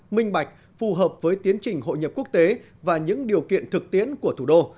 minh bạch phù hợp với tiến trình hội nhập quốc tế và những điều kiện thực tiễn của thủ đô